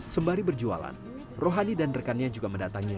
sembari berjualan rohani dan rekannya juga mendatangi